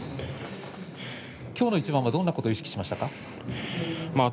きょうの一番はどんなところを意識しましたか。